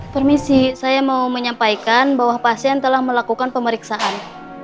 permisi saya mau menyampaikan bahwa pasien telah melakukan pemeriksaan